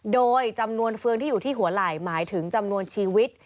โดยจำนวนเฟืองที่อยู่ที่หัวไหล่หมายถึงจำนวนชีวิต